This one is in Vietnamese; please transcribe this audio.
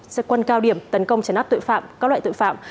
xe quân cao điểm tấn công trả nắp tội phạm các loại tội phạm